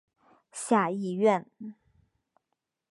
下议院。